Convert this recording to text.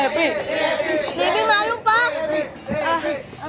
debbie malu pak